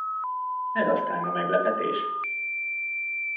Ez aztán a meglepetés!